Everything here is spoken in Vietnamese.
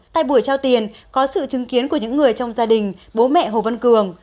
tại buổi trao tiền có sự chứng kiến của những người trong gia đình bố mẹ hồ văn cường